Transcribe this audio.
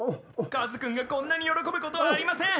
・カズ君がこんなに喜ぶことはありません！